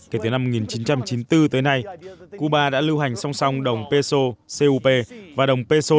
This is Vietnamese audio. kể từ năm một nghìn chín trăm chín mươi bốn tới nay cuba đã lưu hành song song đồng peso